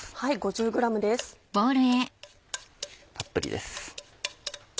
たっぷりです。